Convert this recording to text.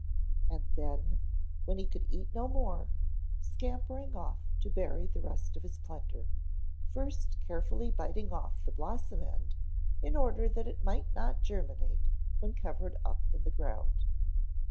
And then, when he could eat no more, scampering off to bury the rest of his plunder, first carefully biting off the blossom end in order that it might not germinate when covered up in the ground.